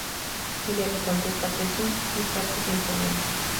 Ella le contesta que sí, y parte sin problemas.